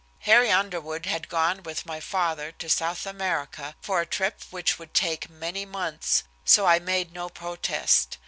Harry Underwood had gone with my father to South America for a trip which would take many months, so I made no protest.